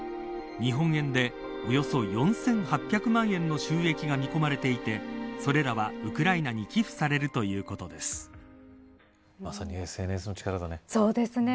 日本円でおよそ４８００万円の収益が見込まれていてそれらはウクライナに寄付されるということです。